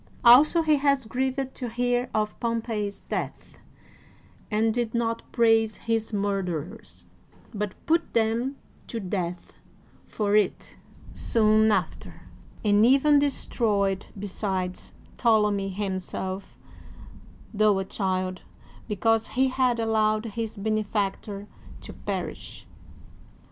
Also he was grieved to hear of Pompey's death and did not praise his mur derers, but put them to death for it soon after, and even destroyed besides Ptolemy himself, tho a child, because he had allowed his benefactor to perish.